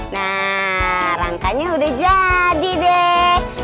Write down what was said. nah rangkanya udah jadi deh